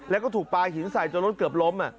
แล้วก็ถูกปลายหินใสจนรถลม